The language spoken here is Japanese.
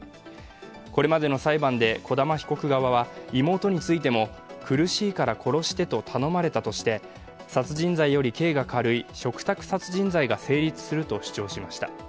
これまでの裁判で小玉被告側は妹についても苦しいから殺してと頼まれたとして殺人罪より刑が軽い嘱託殺人罪が成立すると主張しました。